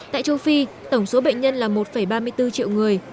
tại châu phi tổng số bệnh nhân là một ba mươi bốn triệu người